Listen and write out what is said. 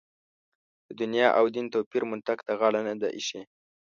د دنیا او دین توپیر منطق ته غاړه نه ده اېښې.